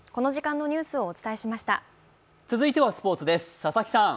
続いてはスポ−ツです。